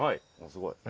すごい。